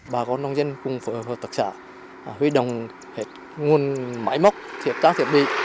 bà con nông dân cùng phổ hợp tạc xã hủy đồng hết nguồn máy móc thiệt tác thiệt đi